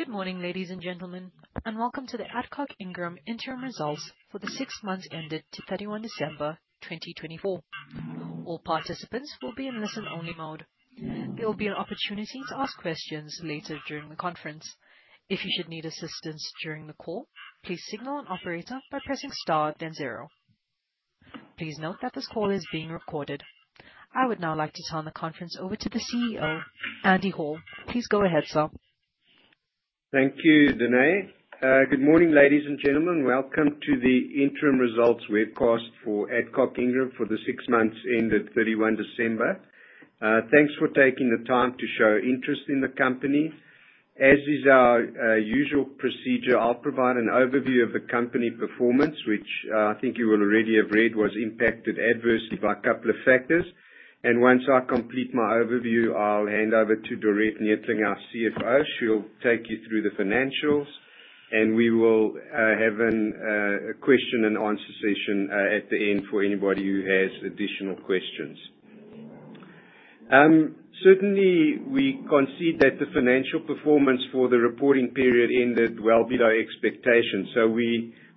Good morning, ladies and gentlemen, and welcome to the Adcock Ingram Interim Results for the six months ended 31 December 2024. All participants will be in listen-only mode. There will be an opportunity to ask questions later during the conference. If you should need assistance during the call, please signal an operator by pressing star, then zero. Please note that this call is being recorded. I would now like to turn the conference over to the CEO, Andy Hall. Please go ahead, sir. Thank you, Danae. Good morning, ladies and gentlemen. Welcome to the Interim Results webcast for Adcock Ingram for the six months ended 31 December. Thanks for taking the time to show interest in the company. As is our usual procedure, I'll provide an overview of the company performance, which I think you will already have read was impacted adversely by a couple of factors, and once I complete my overview, I'll hand over to Dorette Neethling, our CFO. She'll take you through the financials, and we will have a question-and-answer session at the end for anybody who has additional questions. Certainly, we concede that the financial performance for the reporting period ended well below expectations, so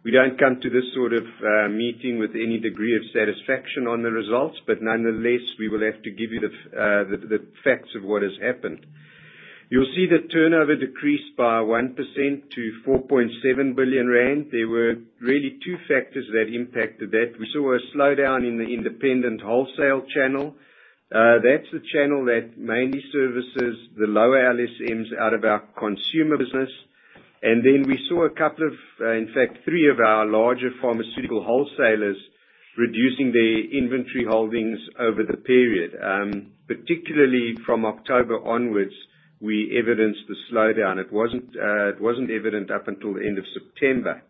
we don't come to this sort of meeting with any degree of satisfaction on the results, but nonetheless, we will have to give you the facts of what has happened. You'll see the turnover decreased by 1% to 4.7 billion rand. There were really two factors that impacted that. We saw a slowdown in the independent wholesale channel. That's the channel that mainly services the lower LSMs out of our consumer business. And then we saw a couple of, in fact, three of our larger pharmaceutical wholesalers reducing their inventory holdings over the period. Particularly from October onwards, we evidenced the slowdown. It wasn't evident up until the end of September.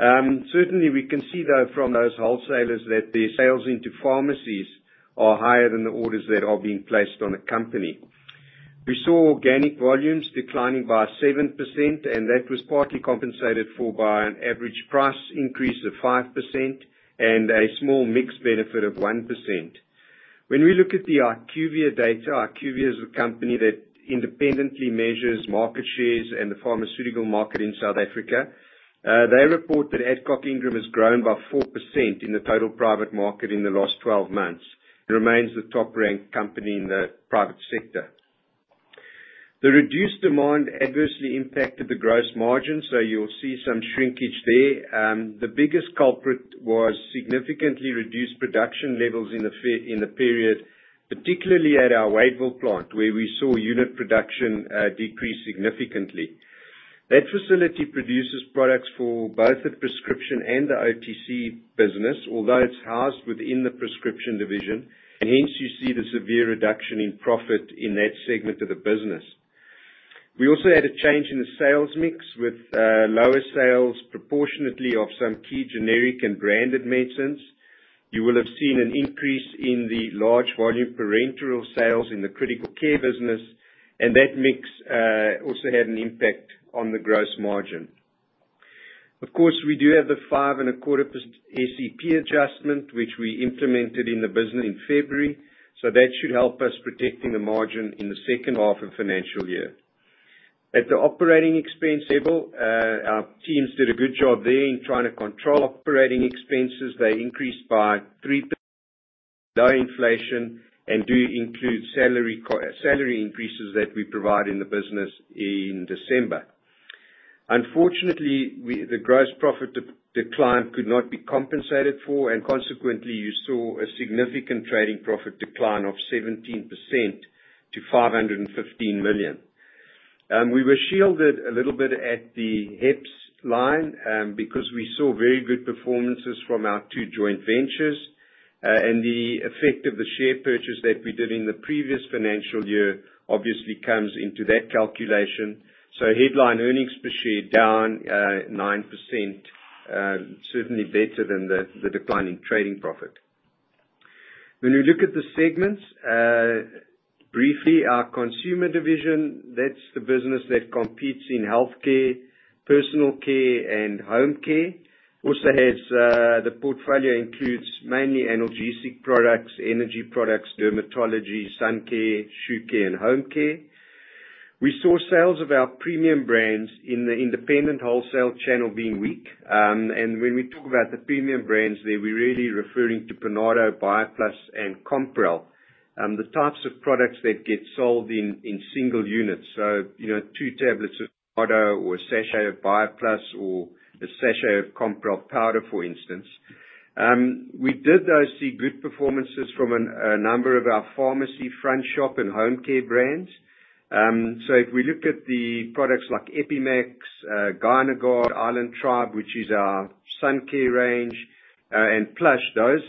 Certainly, we can see, though, from those wholesalers that their sales into pharmacies are higher than the orders that are being placed on the company. We saw organic volumes declining by 7%, and that was partly compensated for by an average price increase of 5% and a small mixed benefit of 1%. When we look at the IQVIA data, IQVIA is a company that independently measures market shares and the pharmaceutical market in South Africa. They report that Adcock Ingram has grown by 4% in the total private market in the last 12 months and remains the top-ranked company in the private sector. The reduced demand adversely impacted the gross margin, so you'll see some shrinkage there. The biggest culprit was significantly reduced production levels in the period, particularly at our Wadeville plant, where we saw unit production decrease significantly. That facility produces products for both the prescription and the OTC business, although it's housed within the prescription division, and hence you see the severe reduction in profit in that segment of the business. We also had a change in the sales mix with lower sales proportionately of some key generic and branded medicines. You will have seen an increase in the large volume parenteral sales in the critical care business, and that mix also had an impact on the gross margin. Of course, we do have the 5.25% SEP adjustment, which we implemented in the business in February, so that should help us protecting the margin in the second half of financial year. At the operating expense level, our teams did a good job there in trying to control operating expenses. They increased by 3% due to low inflation and do include salary increases that we provide in the business in December. Unfortunately, the gross profit decline could not be compensated for, and consequently, you saw a significant trading profit decline of 17% to 515 million. We were shielded a little bit at the HEPS line because we saw very good performances from our two joint ventures, and the effect of the share purchase that we did in the previous financial year obviously comes into that calculation. So headline earnings per share down 9%, certainly better than the declining trading profit. When we look at the segments briefly, our consumer division, that's the business that competes in healthcare, personal care, and home care. Also has the portfolio includes mainly analgesic products, energy products, dermatology, sun care, shoe care, and home care. We saw sales of our premium brands in the independent wholesale channel being weak, and when we talk about the premium brands there, we're really referring to Panado, BioPlus, and Compral, the types of products that get sold in single units. So two tablets of Panado or a sachet of BioPlus or a sachet of Compral powder, for instance. We did, though, see good performances from a number of our pharmacy front shop and home care brands. So if we look at the products like Epi-max, GynaGuard, Island Tribe, which is our sun care range, and Plush, those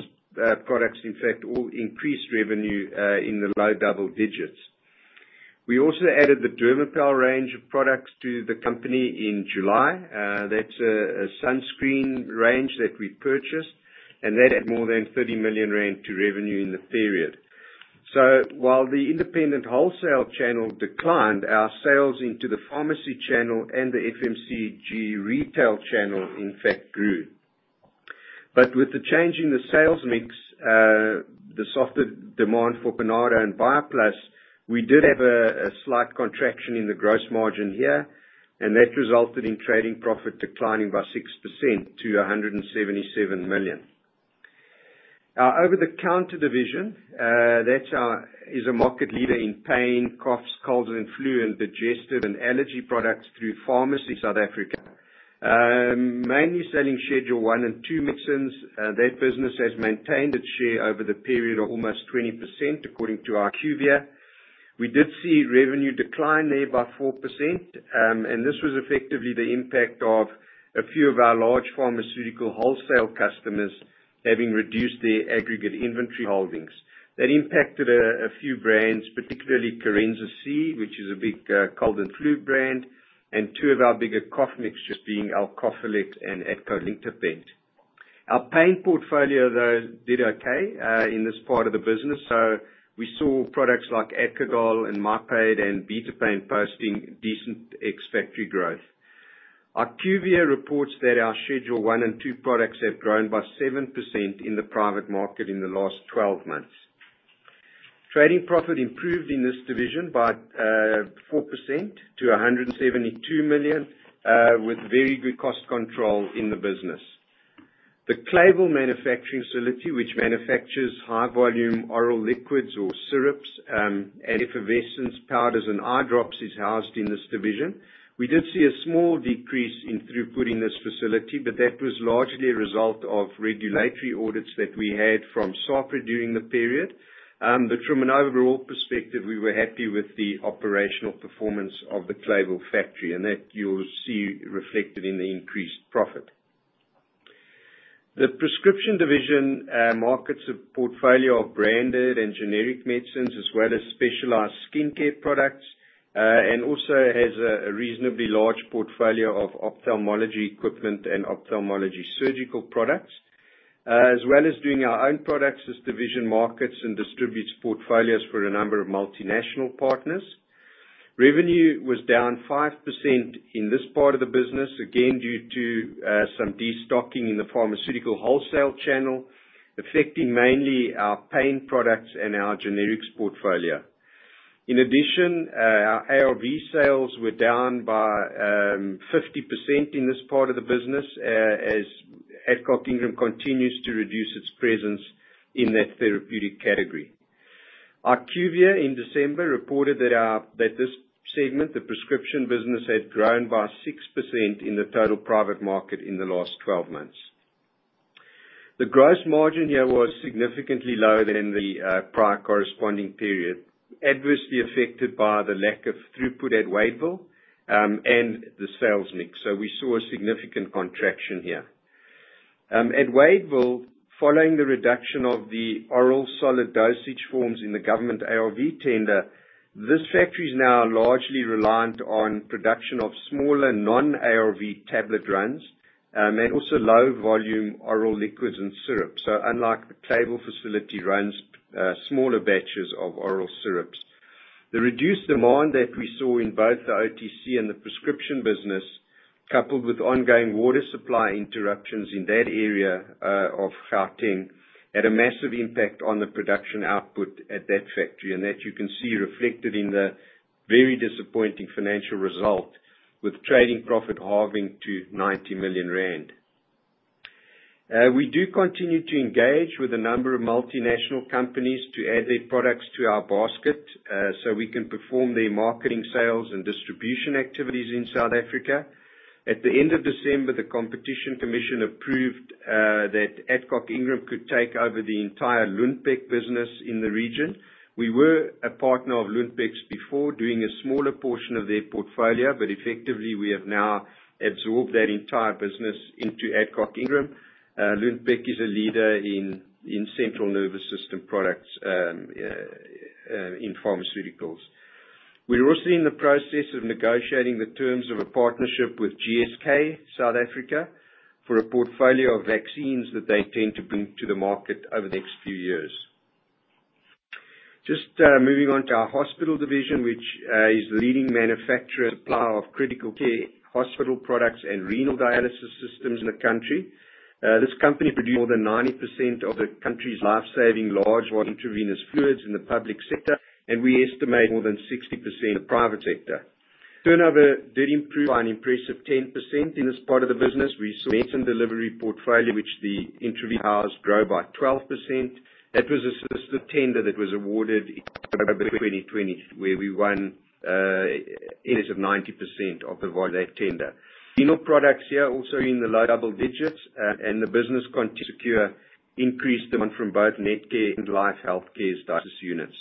products, in fact, all increased revenue in the low double digits. We also added the Dermopal range of products to the company in July. That's a sunscreen range that we purchased, and that had more than 30 million rand to revenue in the period. So while the independent wholesale channel declined, our sales into the pharmacy channel and the FMCG retail channel, in fact, grew. But with the change in the sales mix, the softer demand for Panado and BioPlus, we did have a slight contraction in the gross margin here, and that resulted in trading profit declining by 6% to 177 million. Our over-the-Counter Division, that is a market leader in pain, coughs, colds, and flu and digestive and allergy products through pharmacies in South Africa, mainly selling Schedule 1 and 2 medicines. That business has maintained its share over the period of almost 20%, according to IQVIA. We did see revenue decline there by 4%, and this was effectively the impact of a few of our large pharmaceutical wholesale customers having reduced their aggregate inventory holdings. That impacted a few brands, particularly Corenza C, which is a big cold and flu brand, and two of our bigger cough mixtures being Alcophyllex and Adco-Linctopent. Our pain portfolio, though, did okay in this part of the business, so we saw products like Adco-Dol and Mypaid and Betapyn posting decent expected growth. IQVIA reports that our Schedule I and II products have grown by 7% in the private market in the last 12 months. Trading profit improved in this division by 4% to 172 million, with very good cost control in the business. The Clayville Manufacturing Facility, which manufactures high-volume oral liquids or syrups, and effervescent powders, and eye drops, is housed in this division. We did see a small decrease in throughput in this facility, but that was largely a result of regulatory audits that we had from SAHPRA during the period, but from an overall perspective, we were happy with the operational performance of the Clayville factory, and that you'll see reflected in the increased profit. The prescription division markets a portfolio of branded and generic medicines, as well as specialized skincare products, and also has a reasonably large portfolio of ophthalmology equipment and ophthalmology surgical products. As well as doing our own products, this division markets and distributes portfolios for a number of multinational partners. Revenue was down 5% in this part of the business, again due to some destocking in the pharmaceutical wholesale channel, affecting mainly our pain products and our generics portfolio. In addition, our ARV sales were down by 50% in this part of the business as Adcock Ingram continues to reduce its presence in that therapeutic category. IQVIA, in December, reported that this segment, the prescription business, had grown by 6% in the total private market in the last 12 months. The gross margin here was significantly lower than the prior corresponding period, adversely affected by the lack of throughput at Wadeville and the sales mix. So we saw a significant contraction here. At Wadeville, following the reduction of the oral solid dosage forms in the government ARV tender, this factory is now largely reliant on production of smaller non-ARV tablet runs and also low-volume oral liquids and syrups. So unlike the Clayville facility, runs smaller batches of oral syrups. The reduced demand that we saw in both the OTC and the prescription business, coupled with ongoing water supply interruptions in that area of Gauteng, had a massive impact on the production output at that factory, and that you can see reflected in the very disappointing financial result with trading profit halving to 90 million rand. We do continue to engage with a number of multinational companies to add their products to our basket so we can perform their marketing sales and distribution activities in South Africa. At the end of December, the Competition Commission approved that Adcock Ingram could take over the entire Lundbeck business in the region. We were a partner of Lundbeck's before, doing a smaller portion of their portfolio, but effectively we have now absorbed that entire business into Adcock Ingram. Lundbeck is a leader in central nervous system products in pharmaceuticals. We're also in the process of negotiating the terms of a partnership with GSK South Africa for a portfolio of vaccines that they intend to bring to the market over the next few years. Just moving on to our Hospital Division, which is the leading manufacturer and supplier of critical care hospital products and renal dialysis systems in the country. This company produces more than 90% of the country's lifesaving large intravenous fluids in the public sector, and we estimate more than 60% in the private sector. Turnover did improve by an impressive 10% in this part of the business. We saw the Medicine Delivery portfolio, which the initiative has, grow by 12%. That was a solicited tender that was awarded in October 2020, where we won ahead of 90% of the vote in that tender. Renal products here also in the low double digits, and the business continues to secure increased demand from both Netcare and Life Healthcare dialysis units.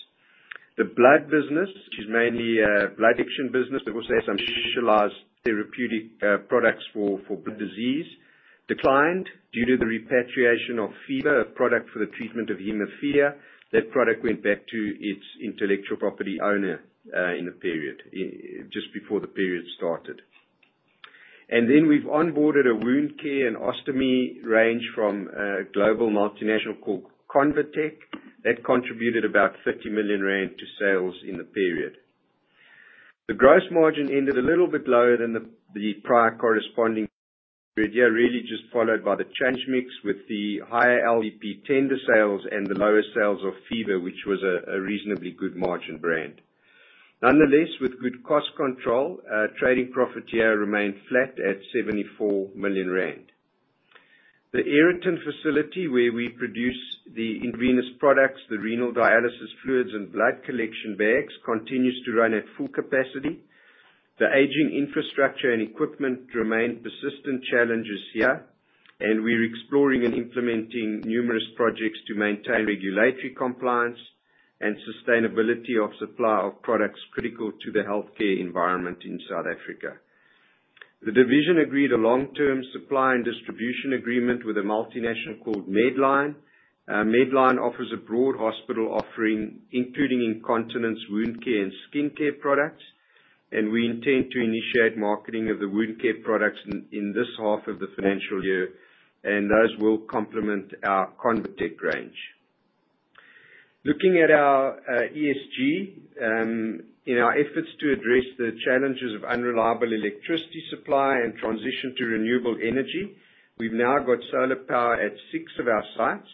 The blood business, which is mainly a blood fraction business, that also has some specialized therapeutic products for blood disease, declined due to the repatriation of FEIBA, a product for the treatment of hemophilia. That product went back to its intellectual property owner in the period, just before the period started, and then we've onboarded a wound care and ostomy range from a global multinational called ConvaTec. That contributed about 30 million rand to sales in the period. The gross margin ended a little bit lower than the prior corresponding period here, really just followed by the change mix with the higher LVP tender sales and the lower sales of FEIBA, which was a reasonably good margin brand. Nonetheless, with good cost control, trading profit here remained flat at 74 million rand. The Aeroton facility, where we produce the intravenous products, the renal dialysis fluids, and blood collection bags, continues to run at full capacity. The aging infrastructure and equipment remain persistent challenges here, and we're exploring and implementing numerous projects to maintain regulatory compliance and sustainability of supply of products critical to the healthcare environment in South Africa. The division agreed a long-term supply and distribution agreement with a multinational called Medline. Medline offers a broad hospital offering, including incontinence, wound care, and skincare products, and we intend to initiate marketing of the wound care products in this half of the financial year, and those will complement our ConvaTec range. Looking at our ESG, in our efforts to address the challenges of unreliable electricity supply and transition to renewable energy, we've now got solar power at six of our sites.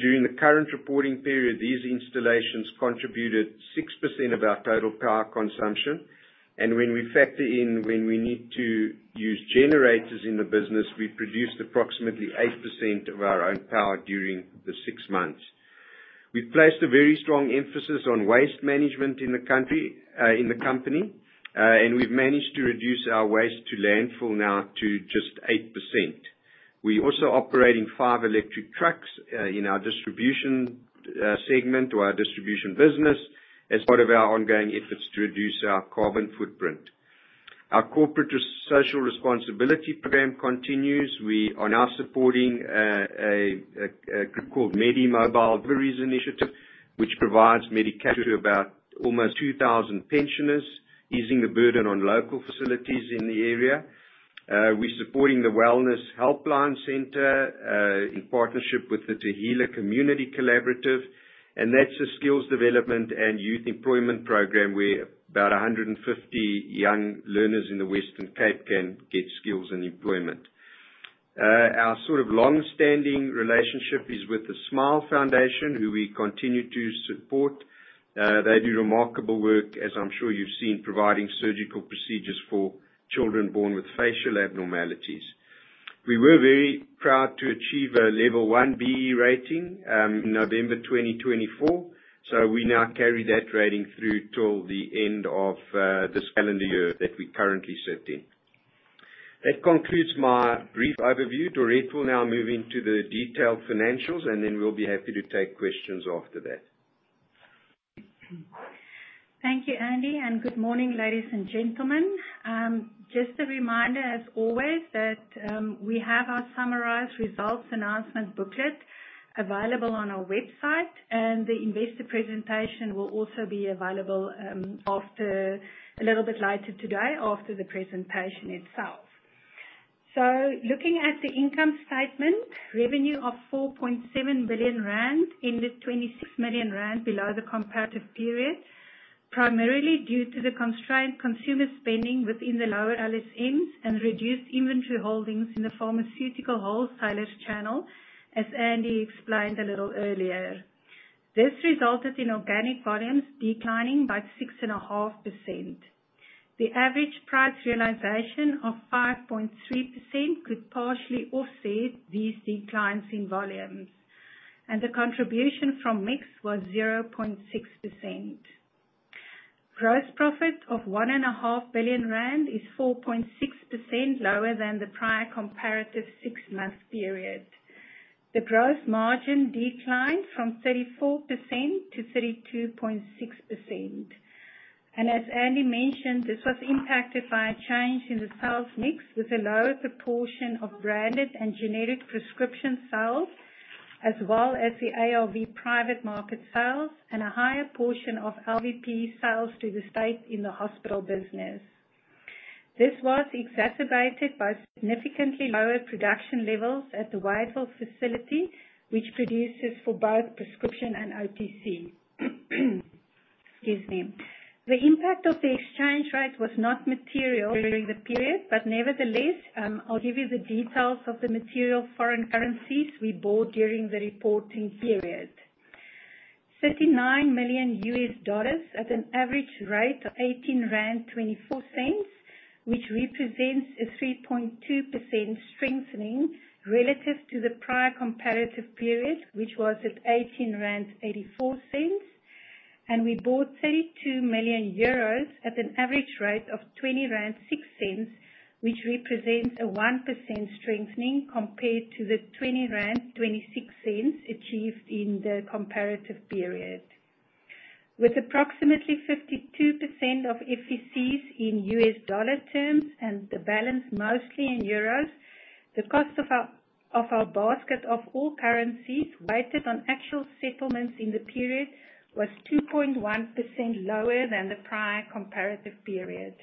During the current reporting period, these installations contributed 6% of our total power consumption, and when we factor in when we need to use generators in the business, we produced approximately 8% of our own power during the six months. We've placed a very strong emphasis on waste management in the company, and we've managed to reduce our waste to landfill now to just 8%. We also operate five electric trucks in our distribution segment or our distribution business as part of our ongoing efforts to reduce our carbon footprint. Our corporate social responsibility program continues. We are now supporting a group called Medi-Mobile deliveries initiative, which provides medication to about almost 2,000 pensioners, easing the burden on local facilities in the area. We're supporting the Wellness Helpline Center in partnership with the Tehillah Community Collaborative, and that's a skills development and youth employment program where about 150 young learners in the Western Cape can get skills and employment. Our sort of long-standing relationship is with the Smile Foundation, who we continue to support. They do remarkable work, as I'm sure you've seen, providing surgical procedures for children born with facial abnormalities. We were very proud to achieve a Level 1 BEE rating in November 2024, so we now carry that rating through till the end of this calendar year that we currently sit in. That concludes my brief overview. Dorette will now move into the detailed financials, and then we'll be happy to take questions after that. Thank you, Andy, and good morning, ladies and gentlemen. Just a reminder, as always, that we have our summarized results announcement booklet available on our website, and the investor presentation will also be available a little bit later today after the presentation itself, so looking at the income statement, revenue of 4.7 billion rand ended 26 million rand below the comparative period, primarily due to the constrained consumer spending within the lower LSMs and reduced inventory holdings in the pharmaceutical wholesalers channel, as Andy explained a little earlier. This resulted in organic volumes declining by 6.5%. The average price realization of 5.3% could partially offset these declines in volumes, and the contribution from mix was 0.6%. Gross profit of 1.5 billion rand is 4.6% lower than the prior comparative six-month period. The gross margin declined from 34% to 32.6%. And as Andy mentioned, this was impacted by a change in the sales mix with a lower proportion of branded and generic prescription sales, as well as the ARV private market sales, and a higher portion of LVP sales to the state in the hospital business. This was exacerbated by significantly lower production levels at the Wadeville facility, which produces for both prescription and OTC. The impact of the exchange rate was not material during the period, but nevertheless, I'll give you the details of the material foreign currencies we bought during the reporting period. $39 million at an average rate of 18.24 cents, which represents a 3.2% strengthening relative to the prior comparative period, which was at 18.84 cents, and we bought 32 million euros at an average rate of 20.06 cents, which represents a 1% strengthening compared to the 20.26 cents achieved in the comparative period. With approximately 52% of FECs in US dollar terms and the balance mostly in euros, the cost of our basket of all currencies weighted on actual settlements in the period was 2.1% lower than the prior comparative period.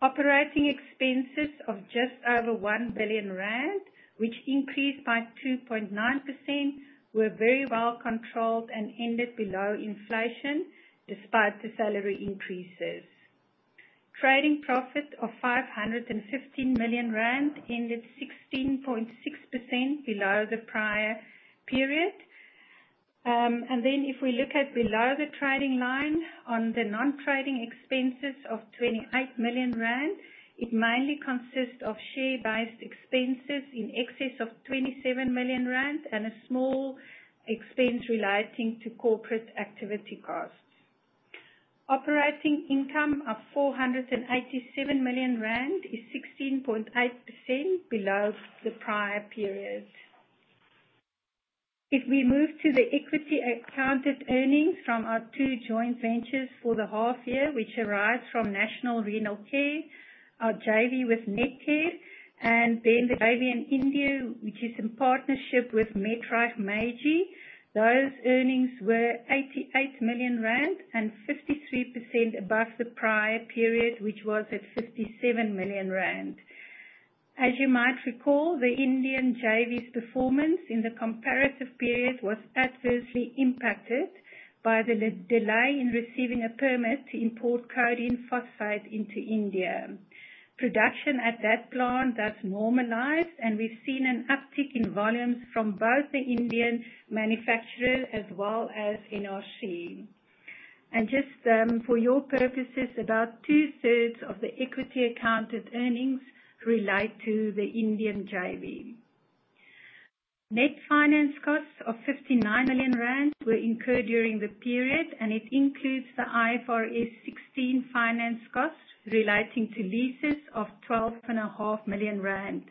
Operating expenses of just over 1 billion rand, which increased by 2.9%, were very well controlled and ended below inflation despite the salary increases. Trading profit of 515 million rand ended 16.6% below the prior period. And then if we look at below the trading line on the non-trading expenses of 28 million rand, it mainly consists of share-based expenses in excess of 27 million rand and a small expense relating to corporate activity costs. Operating income of 487 million rand is 16.8% below the prior period. If we move to the equity accounted earnings from our two joint ventures for the half year, which arise from National Renal Care, our JV with Netcare, and then the JV in India, which is in partnership with Medreich, those earnings were 88 million rand and 53% above the prior period, which was at 57 million rand. As you might recall, the Indian JV's performance in the comparative period was adversely impacted by the delay in receiving a permit to import codeine phosphate into India. Production at that plant has normalized, and we've seen an uptick in volumes from both the Indian manufacturer as well as NRC, and just for your purposes, about two-thirds of the equity accounted earnings relate to the Indian JV. Net finance costs of 59 million rand were incurred during the period, and it includes the IFRS 16 finance costs relating to leases of 12.5 million rand.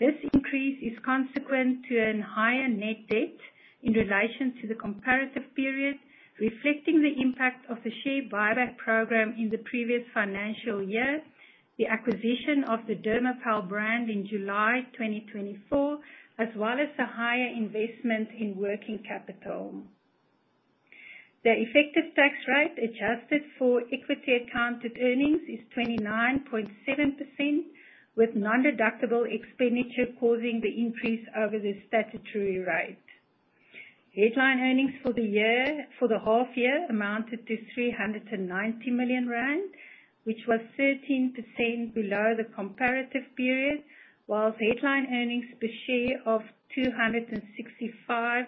This increase is consequent to a higher net debt in relation to the comparative period, reflecting the impact of the share buyback program in the previous financial year, the acquisition of the Dermopal brand in July 2024, as well as a higher investment in working capital. The effective tax rate adjusted for equity accounted earnings is 29.7%, with non-deductible expenditure causing the increase over the statutory rate. Headline earnings for the half year amounted to 390 million rand, which was 13% below the comparative period, while headline earnings per share of 2.655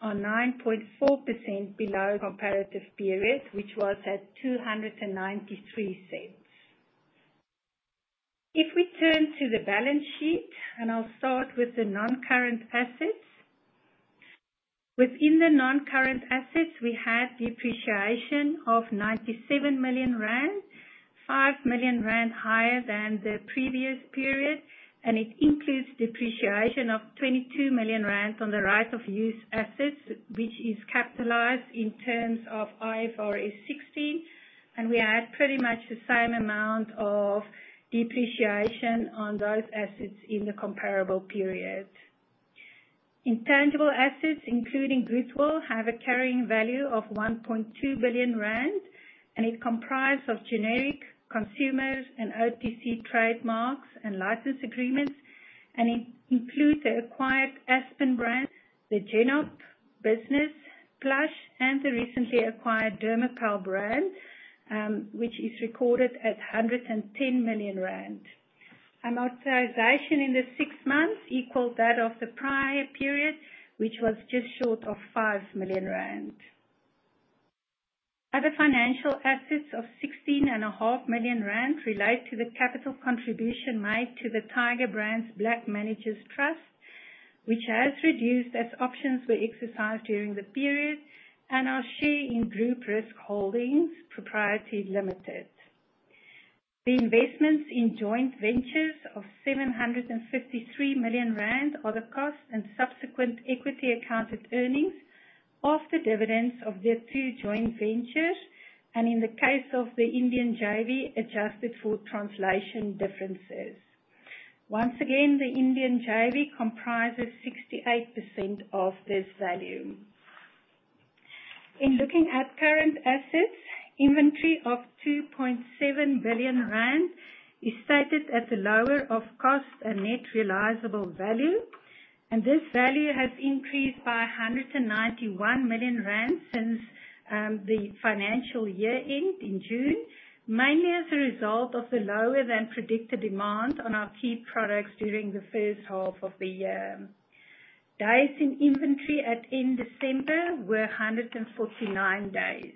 are 9.4% below the comparative period, which was at 2.93. If we turn to the balance sheet, and I'll start with the non-current assets. Within the non-current assets, we had depreciation of 97 million rand, 5 million rand higher than the previous period, and it includes depreciation of 22 million rand on the right of use assets, which is capitalized in terms of IFRS 16, and we had pretty much the same amount of depreciation on those assets in the comparable period. Intangible assets, including goodwill, have a carrying value of 1.2 billion rand, and it comprised of generic consumers and OTC trademarks and license agreements, and it includes the acquired Aspen brand, the Genop business, Plush, and the recently acquired Dermopal brand, which is recorded at 110 million rand. Amortization in the six months equaled that of the prior period, which was just short of 5 million rand. Other financial assets of 16.5 million rand relate to the capital contribution made to the Tiger Brands Black Managers Trust, which has reduced as options were exercised during the period, and our share in Group Risk Holdings Proprietary Limited. The investments in joint ventures of 753 million rand are the cost and subsequent equity accounted earnings of the dividends of their two joint ventures, and in the case of the Indian JV, adjusted for translation differences. Once again, the Indian JV comprises 68% of this value. In looking at current assets, inventory of 2.7 billion rand is stated at the lower of cost and net realizable value, and this value has increased by 191 million rand since the financial year end in June, mainly as a result of the lower than predicted demand on our key products during the first half of the year. Days in inventory at end December were 149 days.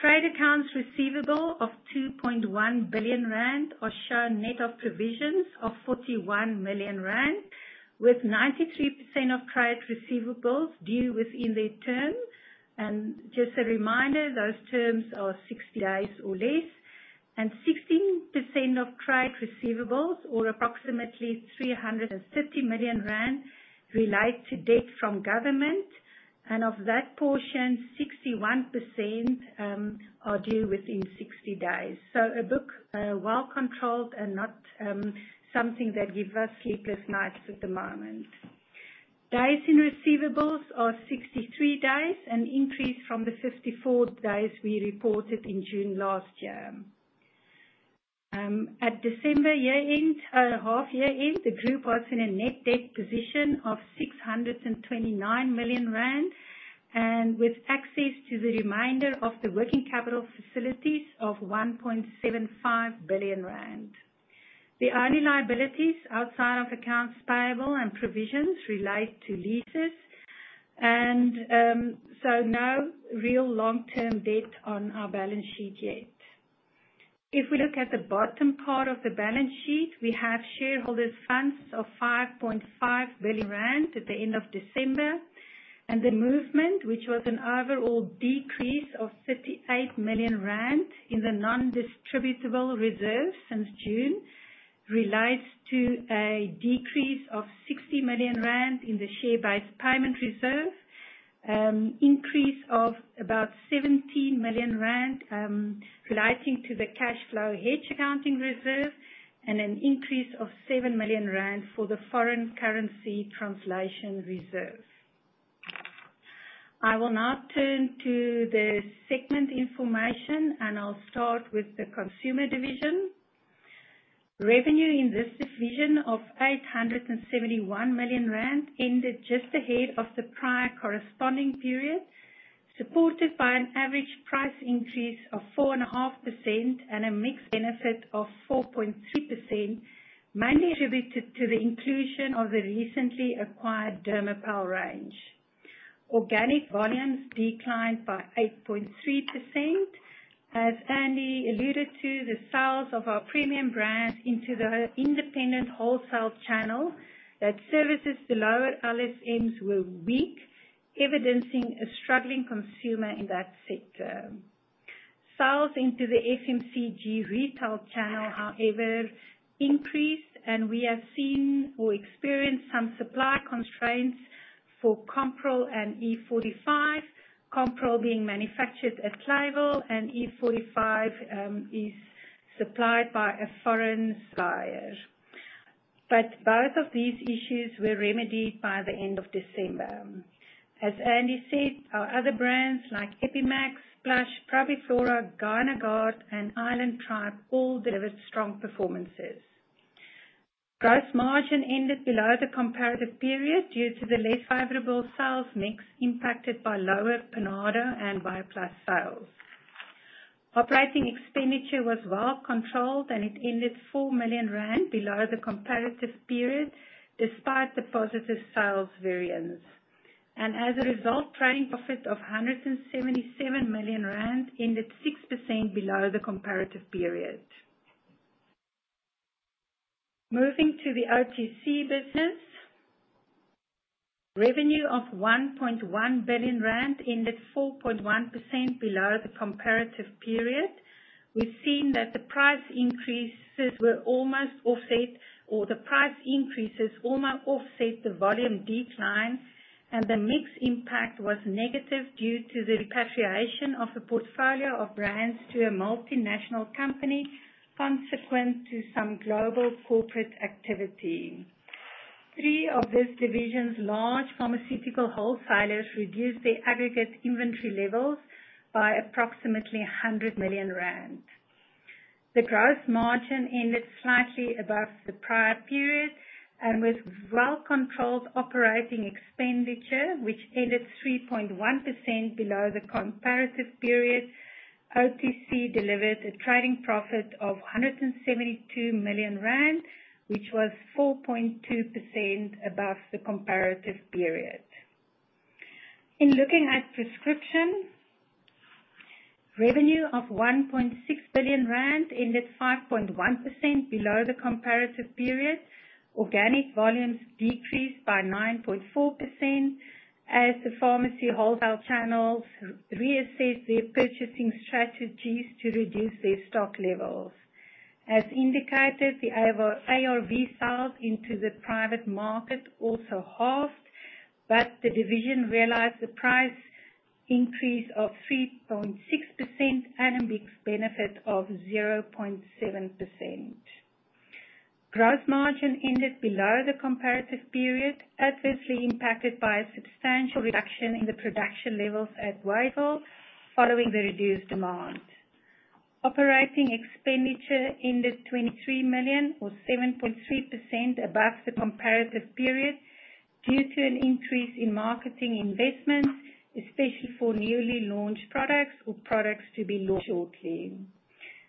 Trade accounts receivable of 2.1 billion rand are shown net of provisions of 41 million rand, with 93% of trade receivables due within their term, and just a reminder, those terms are 60 days or less, and 16% of trade receivables, or approximately 350 million rand, relate to debt from government, and of that portion, 61% are due within 60 days. So a book well controlled and not something that gives us sleepless nights at the moment. Days in receivables are 63 days, an increase from the 54 days we reported in June last year. At December year end, half year end, the group was in a net debt position of 629 million rand, and with access to the remainder of the working capital facilities of 1.75 billion rand. The only liabilities outside of accounts payable and provisions relate to leases, and so no real long-term debt on our balance sheet yet. If we look at the bottom part of the balance sheet, we have shareholders' funds of 5.5 billion rand at the end of December, and the movement, which was an overall decrease of 38 million rand in the non-distributable reserves since June, relates to a decrease of 60 million rand in the share-based payment reserve, an increase of about 17 million rand relating to the cash flow hedge accounting reserve, and an increase of 7 million rand for the foreign currency translation reserve. I will now turn to the segment information, and I'll start with the Consumer Division. Revenue in this division of 871 million rand ended just ahead of the prior corresponding period, supported by an average price increase of 4.5% and a mixed benefit of 4.3%, mainly attributed to the inclusion of the recently acquired Dermopal range. Organic volumes declined by 8.3%. As Andy alluded to, the sales of our premium brands into the independent wholesale channel that services the lower LSMs were weak, evidencing a struggling consumer in that sector. Sales into the FMCG retail channel, however, increased, and we have seen or experienced some supply constraints for Compral and E45, Compral being manufactured at Clayville, and E45 is supplied by a foreign supplier, but both of these issues were remedied by the end of December. As Andy said, our other brands like Epi-max, Plush, ProbiFlora, GynaGuard, and Island Tribe all delivered strong performances. Gross margin ended below the comparative period due to the less favorable sales mix impacted by lower Panado and BioPlus sales. Operating expenditure was well controlled, and it ended 4 million rand below the comparative period despite the positive sales variance. And as a result, trading profit of 177 million rand ended 6% below the comparative period. Moving to the OTC business, revenue of 1.1 billion rand ended 4.1% below the comparative period. We've seen that the price increases were almost offset, or the price increases almost offset the volume decline, and the mix impact was negative due to the repatriation of the portfolio of brands to a multinational company, consequent to some global corporate activity. Three of these divisions' large pharmaceutical wholesalers reduced their aggregate inventory levels by approximately 100 million rand. The gross margin ended slightly above the prior period, and with well-controlled operating expenditure, which ended 3.1% below the comparative period, OTC delivered a trading profit of 172 million rand, which was 4.2% above the comparative period. In looking at prescription, revenue of 1.6 billion rand ended 5.1% below the comparative period. Organic volumes decreased by 9.4% as the pharmacy wholesale channels reassessed their purchasing strategies to reduce their stock levels. As indicated, the ARV sales into the private market also halved, but the division realized the price increase of 3.6% and a mixed benefit of 0.7%. Gross margin ended below the comparative period, adversely impacted by a substantial reduction in the production levels at Wadeville following the reduced demand. Operating expenditure ended 23 million, or 7.3% above the comparative period, due to an increase in marketing investments, especially for newly launched products or products to be launched shortly.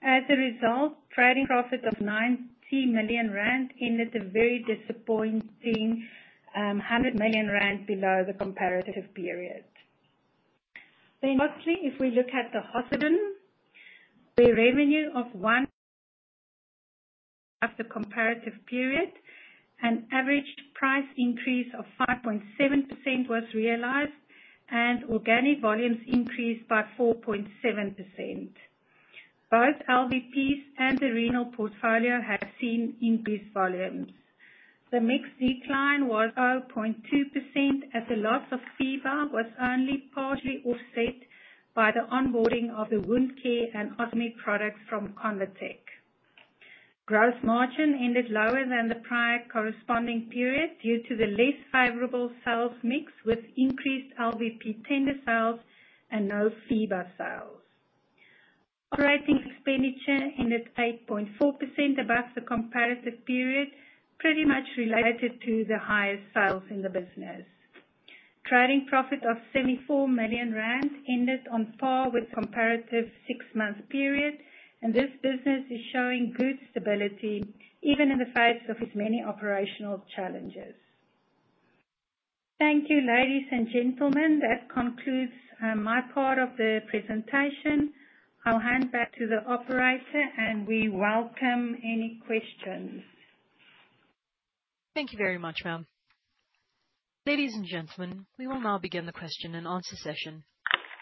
As a result, trading profit of 90 million rand ended a very disappointing 100 million rand below the comparative period. Then lastly, if we look at the hospital, the revenue of 1.5% above the comparative period, an average price increase of 5.7% was realized, and organic volumes increased by 4.7%. Both LVPs and the renal portfolio have seen increased volumes. The mix decline was 0.2%, as the loss of FEIBA was only partially offset by the onboarding of the wound care and ostomy products from ConvaTec. Gross margin ended lower than the prior corresponding period due to the less favorable sales mix with increased LVP tender sales and no FEIBA sales. Operating expenditure ended 8.4% above the comparative period, pretty much related to the highest sales in the business. Trading profit of 74 million rand ended on par with the comparative six-month period, and this business is showing good stability, even in the face of its many operational challenges. Thank you, ladies and gentlemen. That concludes my part of the presentation. I'll hand back to the operator, and we welcome any questions. Thank you very much, ma'am. Ladies and gentlemen, we will now begin the question and answer session.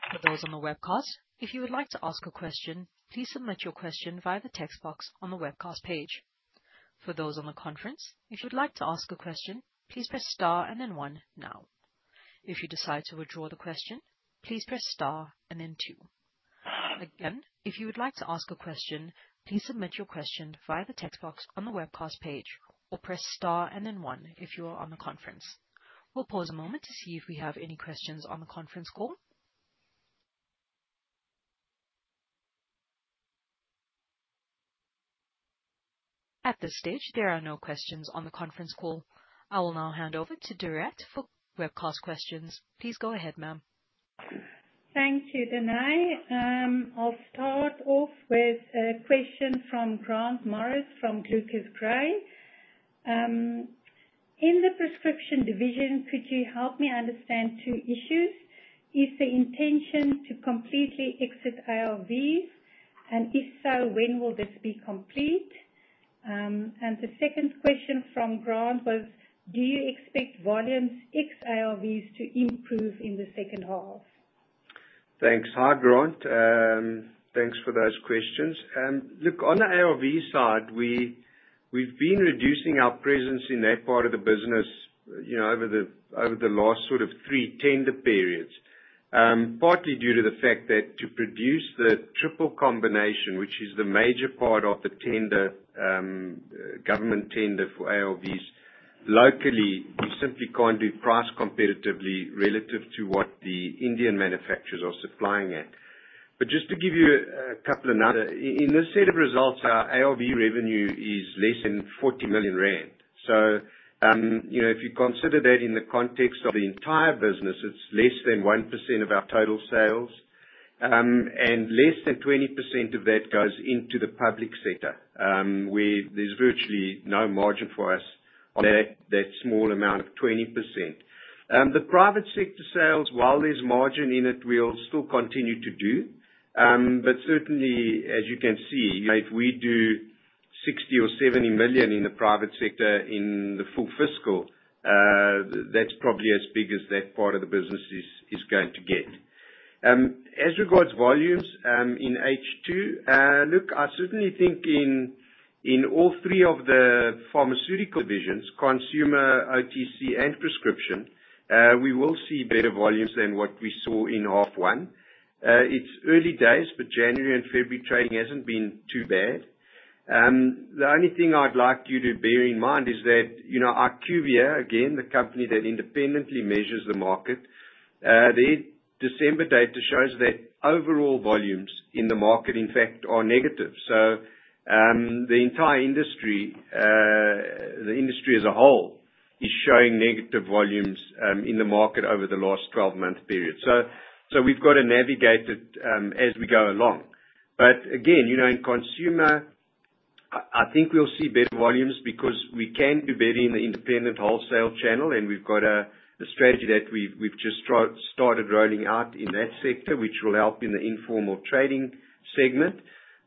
For those on the webcast, if you would like to ask a question, please submit your question via the text box on the webcast page. For those on the conference, if you would like to ask a question, please press star and then one now. If you decide to withdraw the question, please press star and then two. Again, if you would like to ask a question, please submit your question via the text box on the webcast page, or press star and then one if you are on the conference. We'll pause a moment to see if we have any questions on the conference call. At this stage, there are no questions on the conference call. I will now hand over to Dorette for webcast questions. Please go ahead, ma'am. Thank you, Danae. I'll start off with a question from Grant Morris from Clucas Gray. In the Prescription Division, could you help me understand two issues? Is the intention to completely exit ARVs, and if so, when will this be complete? And the second question from Grant was, do you expect volumes ex ARVs to improve in the second half? Thanks, hi Grant. Thanks for those questions. Look, on the ARV side, we've been reducing our presence in that part of the business over the last sort of three tender periods, partly due to the fact that to produce the triple combination, which is the major part of the government tender for ARVs locally, you simply can't do price competitively relative to what the Indian manufacturers are supplying at. But just to give you a couple of numbers, in this set of results, our ARV revenue is less than 40 million rand. So if you consider that in the context of the entire business, it's less than 1% of our total sales, and less than 20% of that goes into the public sector, where there's virtually no margin for us on that small amount of 20%. The private sector sales, while there's margin in it, will still continue to do, but certainly, as you can see, if we do 60 or 70 million in the private sector in the full fiscal, that's probably as big as that part of the business is going to get. As regards volumes in H2, look, I certainly think in all three of the pharmaceutical divisions, consumer, OTC, and prescription, we will see better volumes than what we saw in half one. It's early days, but January and February trading hasn't been too bad. The only thing I'd like you to bear in mind is that IQVIA, again, the company that independently measures the market, their December data shows that overall volumes in the market, in fact, are negative. So the entire industry, the industry as a whole, is showing negative volumes in the market over the last 12-month period. So we've got to navigate it as we go along. But again, in consumer, I think we'll see better volumes because we can do better in the independent wholesale channel, and we've got a strategy that we've just started rolling out in that sector, which will help in the informal trading segment.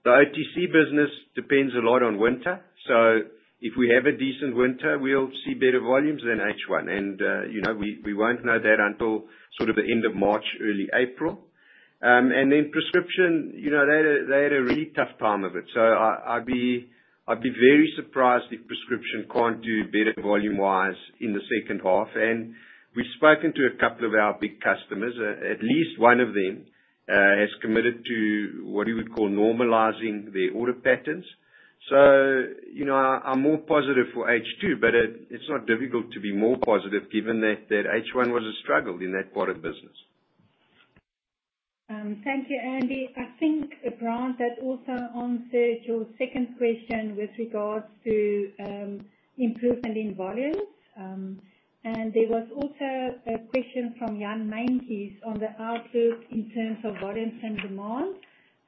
The OTC business depends a lot on winter, so if we have a decent winter, we'll see better volumes than H1, and we won't know that until sort of the end of March, early April. And then prescription, they had a really tough time of it, so I'd be very surprised if prescription can't do better volume-wise in the second half. And we've spoken to a couple of our big customers. At least one of them has committed to what we would call normalizing their order patterns. So I'm more positive for H2, but it's not difficult to be more positive given that H1 was a struggle in that part of business. Thank you, Andy. I think, Grant, that also answered your second question with regards to improvement in volumes. And there was also a question from Jan Meintjes on the outlook in terms of volumes and demand.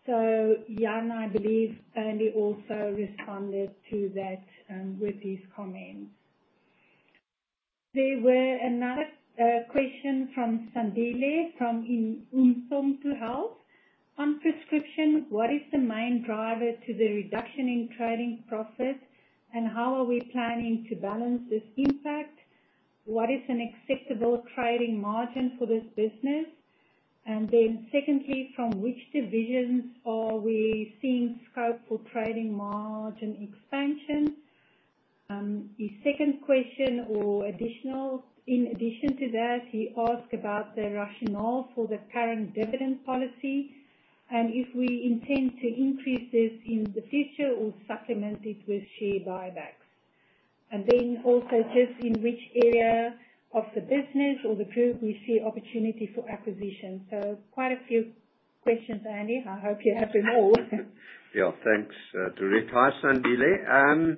So Jan, I believe, Andy also responded to that with his comments. There were another question from Sandile from Umthombo Wealth. On prescription, what is the main driver to the reduction in trading profits, and how are we planning to balance this impact? What is an acceptable trading margin for this business? And then secondly, from which divisions are we seeing scope for trading margin expansion? Your second question, or additional, in addition to that, you asked about the rationale for the current dividend policy and if we intend to increase this in the future or supplement it with share buybacks. And then also just in which area of the business or the group we see opportunity for acquisition. So quite a few questions, Andy. I hope you have them all. Yeah, thanks, Dorette. Hi, Sandile.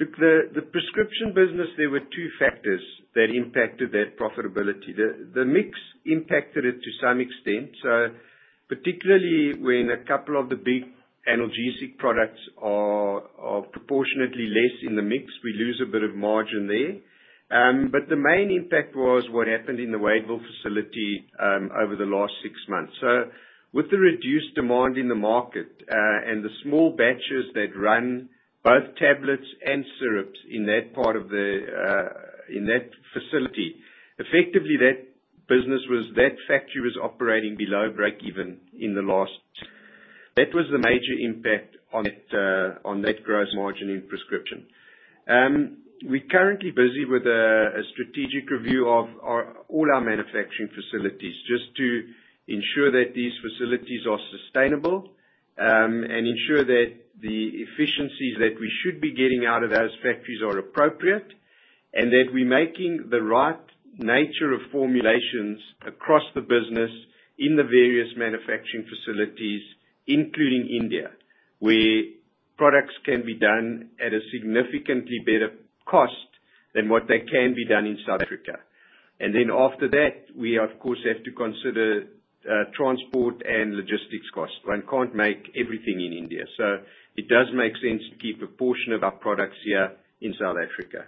Look, the prescription business, there were two factors that impacted that profitability. The mix impacted it to some extent, so particularly when a couple of the big analgesic products are proportionately less in the mix, we lose a bit of margin there. But the main impact was what happened in the Wadeville facility over the last six months. With the reduced demand in the market and the small batches that run both tablets and syrups in that part of the facility, effectively that factory was operating below break-even in the last. That was the major impact on that gross margin in prescription. We're currently busy with a strategic review of all our manufacturing facilities just to ensure that these facilities are sustainable and ensure that the efficiencies that we should be getting out of those factories are appropriate and that we're making the right nature of formulations across the business in the various manufacturing facilities, including India, where products can be done at a significantly better cost than what they can be done in South Africa. Then after that, we, of course, have to consider transport and logistics costs. One can't make everything in India, so it does make sense to keep a portion of our products here in South Africa.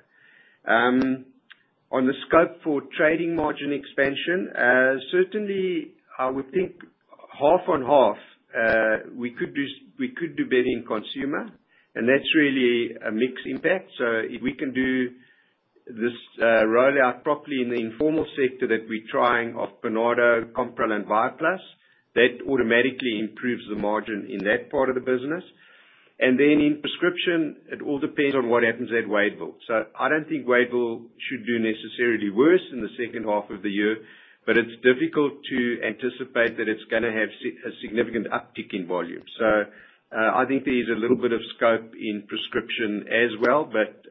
On the scope for trading margin expansion, certainly I would think half on half, we could do better in consumer, and that's really a mixed impact. So if we can do this rollout properly in the informal sector that we're trying of Panado, Compral, and BioPlus, that automatically improves the margin in that part of the business. And then in prescription, it all depends on what happens at Wadeville. So I don't think Wadeville should do necessarily worse in the second half of the year, but it's difficult to anticipate that it's going to have a significant uptick in volume. So I think there's a little bit of scope in prescription as well, but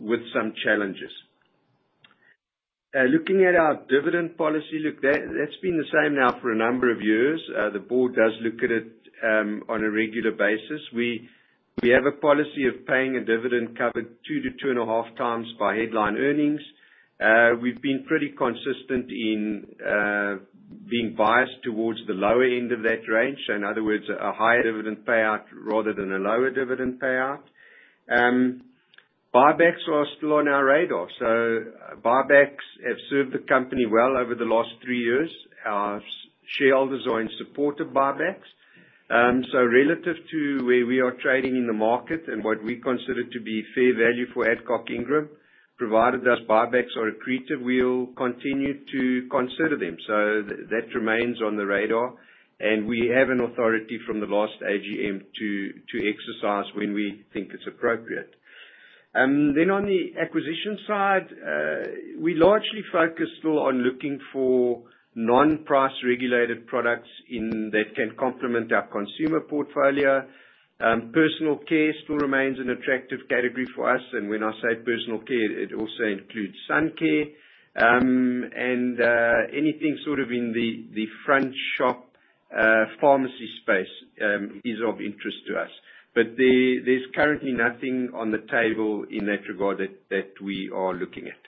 with some challenges. Looking at our dividend policy, look, that's been the same now for a number of years. The board does look at it on a regular basis. We have a policy of paying a dividend covered two to two and a half times by headline earnings. We've been pretty consistent in being biased towards the lower end of that range, so in other words, a higher dividend payout rather than a lower dividend payout. Buybacks are still on our radar, so buybacks have served the company well over the last three years. Our shareholders are in support of buybacks. So relative to where we are trading in the market and what we consider to be fair value for Adcock Ingram, provided those buybacks are accretive, we'll continue to consider them. So that remains on the radar, and we have an authority from the last AGM to exercise when we think it's appropriate. Then on the acquisition side, we largely focus still on looking for non-price-regulated products that can complement our consumer portfolio. Personal care still remains an attractive category for us, and when I say personal care, it also includes sun care and anything sort of in the front shop pharmacy space is of interest to us. But there's currently nothing on the table in that regard that we are looking at.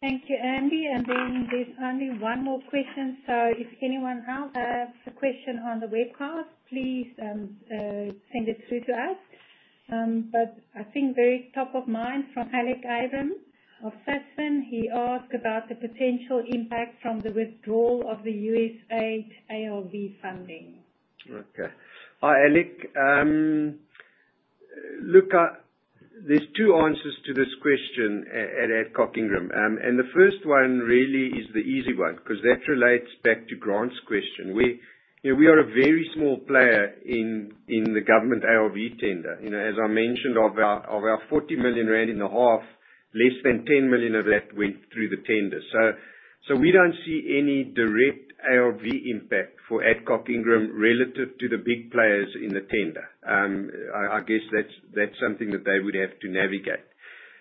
Thank you, Andy. And then there's only one more question. So if anyone else has a question on the webcast, please send it through to us. But I think very top of mind from Alec Abraham of Sasfin, he asked about the potential impact from the withdrawal of the USAID ARV funding. Okay. Hi, Alec. Look, there are two answers to this question at Adcock Ingram, and the first one really is the easy one because that relates back to Grant's question. We are a very small player in the government ARV tender. As I mentioned, of our 40 million rand in the half, less than 10 million of that went through the tender. So we do not see any direct ARV impact for Adcock Ingram relative to the big players in the tender. I guess that is something that they would have to navigate.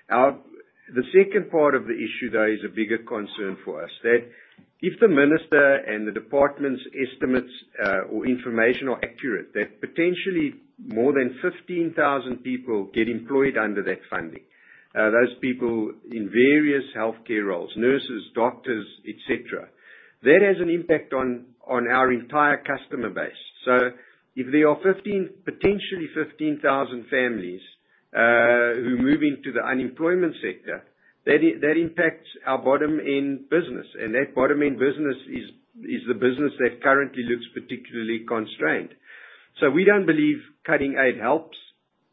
The second part of the issue, though, is a bigger concern for us. That, if the Minister and the Department's estimates or information are accurate, that potentially more than 15,000 people get employed under that funding, those people in various healthcare roles, nurses, doctors, etc., that has an impact on our entire customer base. So if there are potentially 15,000 families who move into the unemployment sector, that impacts our bottom-end business, and that bottom-end business is the business that currently looks particularly constrained. So we don't believe cutting aid helps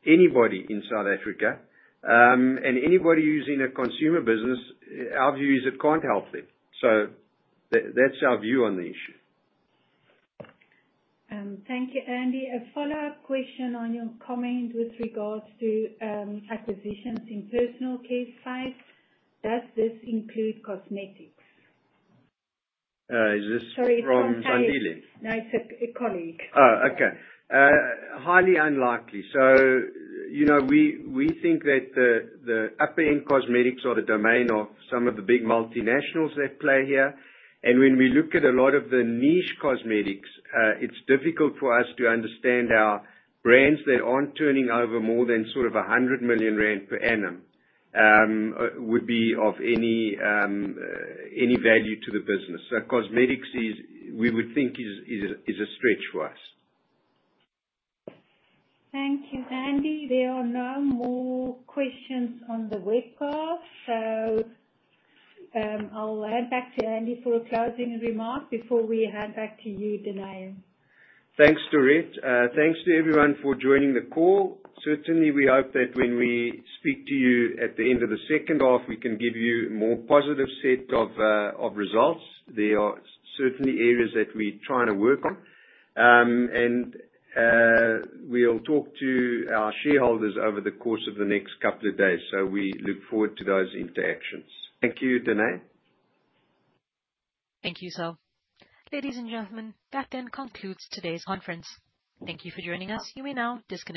anybody in South Africa, and anybody who's in a consumer business, our view is it can't help them. So that's our view on the issue. Thank you, Andy. A follow-up question on your comment with regards to acquisitions in personal care sites. Does this include cosmetics? Is this from Sandile? No, it's a colleague. Oh, okay. Highly unlikely. So we think that the upper-end cosmetics are the domain of some of the big multinationals that play here, and when we look at a lot of the niche cosmetics, it's difficult for us to understand our brands that aren't turning over more than sort of 100 million rand per annum would be of any value to the business. So cosmetics, we would think, is a stretch for us. Thank you, Andy. There are no more questions on the webcast, so I'll hand back to Andy for a closing remark before we hand back to you, Danae. Thanks, Dorette. Thanks to everyone for joining the call. Certainly, we hope that when we speak to you at the end of the second half, we can give you a more positive set of results. There are certainly areas that we're trying to work on, and we'll talk to our shareholders over the course of the next couple of days, so we look forward to those interactions. Thank you, Danae. Thank you, sir. Ladies and gentlemen, that then concludes today's conference. Thank you for joining us. You may now disconnect lines.